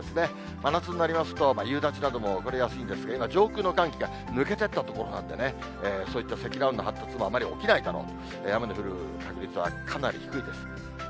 真夏になりますと夕立なども起こりやすいんですが、今、上空の寒気が抜けていったところなんでね、そういった積乱雲の発達もあまり起きないだろうと、雨の降る確率はかなり低いと。